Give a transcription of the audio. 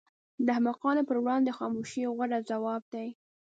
د احمقانو پر وړاندې خاموشي غوره ځواب دی.